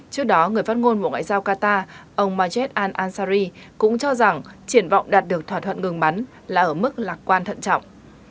trước đó người phát ngôn bộ ngoại giao qatar ông majed al ansari cũng cho rằng triển vọng đạt được thỏa thuận ngừng bắn là ở mức lạc quan thận trọng